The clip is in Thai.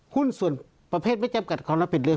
หุ้นส่วนประเภทไม่จำกัดความรับผิดเลย